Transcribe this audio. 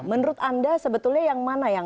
menurut anda sebetulnya yang mana yang